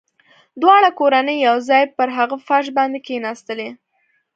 دواړه کورنۍ يو ځای پر هغه فرش باندې کښېناستلې.